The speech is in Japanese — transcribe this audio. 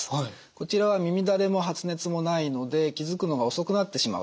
こちらは耳だれも発熱もないので気付くのが遅くなってしまう。